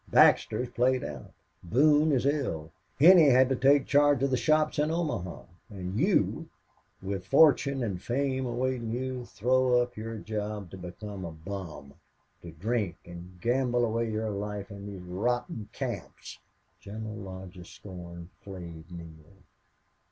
Baxter is played out. Boone is ill. Henney had to take charge of the shops in Omaha.... And you, with fortune and fame awaiting you, throw up your job to become a bum... to drink and gamble away your life in these rotten camps!" General Lodge's scorn flayed Neale.